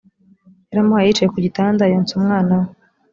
yaramuhaye yicaye ku gitanda yonsa umwana we